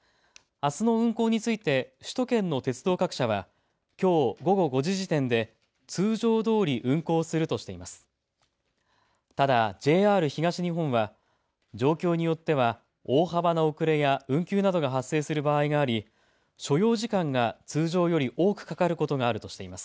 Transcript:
あすの運行について首都圏の鉄道各社はきょう午後５時時点で通常どおり運行するとしています。